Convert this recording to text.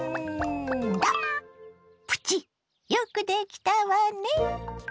プチよくできたわね。